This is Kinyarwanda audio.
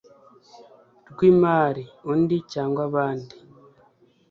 rw imari undi cyangwa abandi